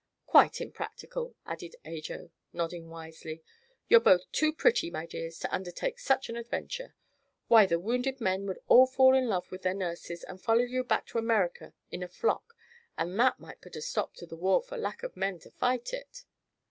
"Quite impractical," added Ajo, nodding wisely. "You're both too pretty, my dears, to undertake such an adventure. Why, the wounded men would all fall in love with their nurses and follow you back to America in a flock; and that might put a stop to the war for lack of men to fight it."